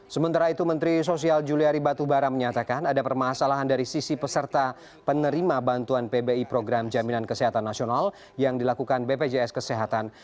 sementara itu menteri sosial juliari batubara menyatakan ada permasalahan dari sisi peserta penerima bantuan pbi program jaminan kesehatan nasional yang dilakukan bpjs kesehatan